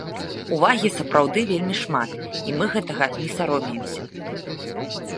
Увагі сапраўды вельмі шмат, і мы гэтага не саромеемся.